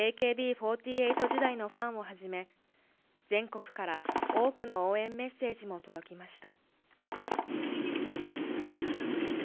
４８時代のファンをはじめ全国から多くの応援メッセージも届きました